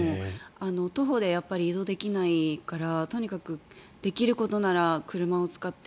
徒歩で移動できないからとにかくできることなら車を使って。